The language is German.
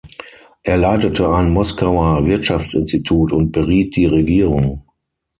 Er leitete ein Moskauer Wirtschaftsinstitut und beriet die Regierung.